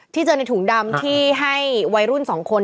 เจอในถุงดำที่ให้วัยรุ่น๒คน